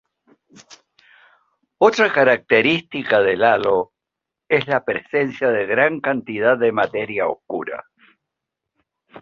Otra característica del halo es la presencia de gran cantidad de materia oscura.